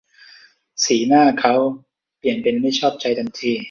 สีหน้าเค้าเปลี่ยนเป็นไม่ชอบใจทันที